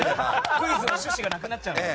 クイズの趣旨がなくなっちゃう。